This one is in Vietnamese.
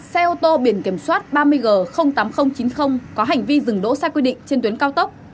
xe ô tô biển kiểm soát ba mươi g tám nghìn chín mươi có hành vi dừng đỗ sai quy định trên tuyến cao tốc